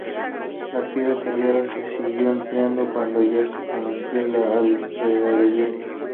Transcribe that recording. La piedra tallada se siguió empleando cuando ya se conocía la alfarería.